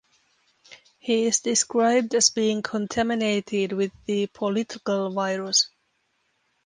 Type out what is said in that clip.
He is described as being contaminated with the "political virus".